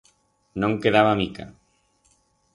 No'n quedaba mica.